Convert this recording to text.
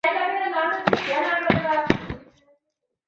奇蒿为菊科蒿属的植物。